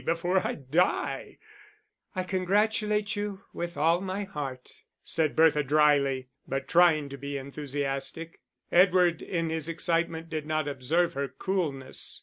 before I die." "I congratulate you with all my heart," said Bertha drily; but trying to be enthusiastic. Edward in his excitement did not observe her coolness.